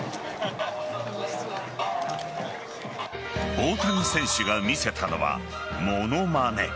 大谷選手が見せたのは物まね。